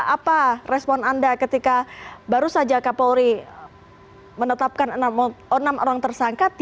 apa respon anda ketika baru saja kapolri menetapkan enam orang tersangka